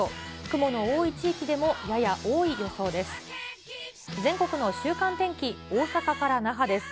雲の多い地域でも、やや多い予想です。